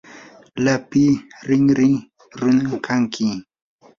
lapi rinri runam kanki.